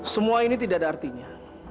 semua ini tidak ada artinya